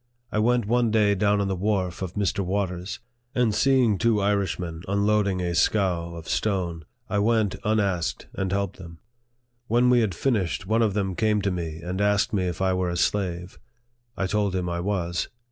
I went one day down on the wharf of Mr. Waters ; and seeing two Irishmen unloading a scow of stone, I went, unasked, and helped them. When we had finished, one of them came to me and asked me if I were a slave. I told him I was.